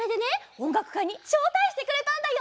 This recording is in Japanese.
おんがくかいにしょうたいしてくれたんだよ！